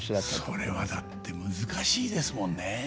それはだって難しいですもんね。